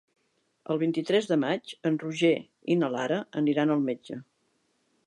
El vint-i-tres de maig en Roger i na Lara aniran al metge.